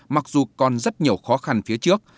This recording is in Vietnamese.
mặc dù còn rất nhiều khó khăn phía trước